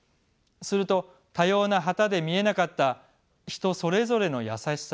すると多様な旗で見えなかった人それぞれの優しさを知る。